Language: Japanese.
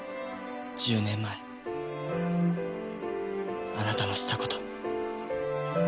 １０年前あなたのした事。